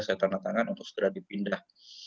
saya tanda tangan untuk segera dipindah